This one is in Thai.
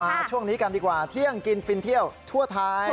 ช่วงนี้กันดีกว่าเที่ยงกินฟินเที่ยวทั่วไทย